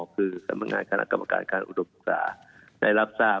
คือจะต้องรายงานการอุโดปราชา